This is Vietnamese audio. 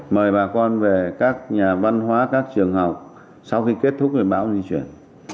mời bà con về các nhà văn hóa các trường học sau khi kết thúc với bão di chuyển